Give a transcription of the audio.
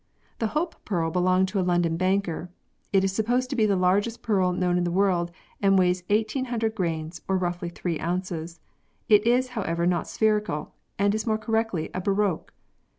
The Hope pearl belonged to a London Jbanker. It is supposed to be the largest pearl known in the world and weighs 1800 grains or roughly 3 ounces. It is, however, not spherical, and is more correctly a baroque.